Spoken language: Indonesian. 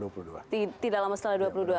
tidak lama setelah dua puluh dua